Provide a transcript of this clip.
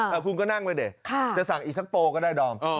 เออคุณก็นั่งไปเดี๋ยวค่ะจะสั่งอีกสักโปก็ได้ดอม